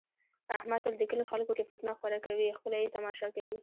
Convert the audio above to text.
احمد تل د کلي خلکو کې فتنه خوره کوي، خپله یې تماشا کوي.